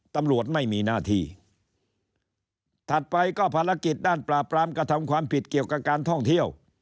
ตำรวจไม่มีหน้าที่ถัดไปก็ภารกิจด้านปราบปรามกระทำความผิดเกี่ยวกับการท่องเที่ยว